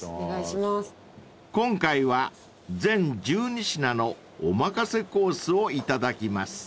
［今回は全１２品のお任せコースを頂きます］